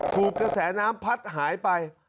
ถูกกระแสน้ำพัดหายไป